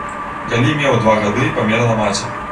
Калі меў два гады, памерла маці.